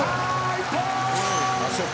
一本！